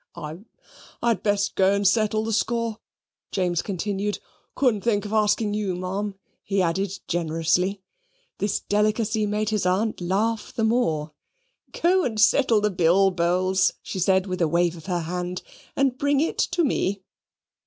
"I I'd best go and settle the score," James continued. "Couldn't think of asking you, Ma'am," he added, generously. This delicacy made his aunt laugh the more. "Go and settle the bill, Bowls," she said, with a wave of her hand, "and bring it to me."